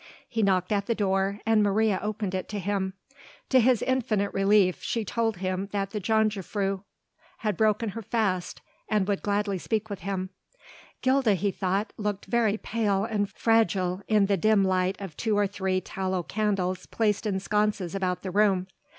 He knocked at the door and Maria opened it to him. To his infinite relief she told him that the jongejuffrouw had broken her fast and would gladly speak with him. Gilda, he thought, looked very pale and fragile in the dim light of two or three tallow candles placed in sconces about the room.